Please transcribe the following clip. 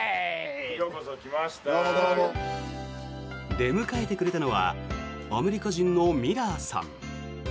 出迎えてくれたのはアメリカ人のミラーさん。